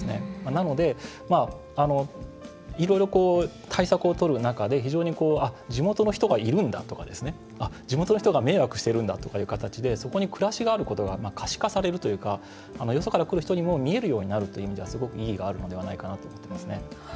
なので、いろいろ対策をとる中で非常に地元の人がいるんだとか地元の人が迷惑してるんだとかいう形でそこに暮らしがあることが可視化されるというかよそから来る人にも見えるようになるという意味ではすごく意義があるのではないかなと思っていますね。